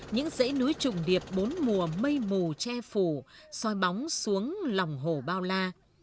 những dãy núi trùng điệp bốn mùa mây mù che phủ soi bóng xuống lòng hồ bao la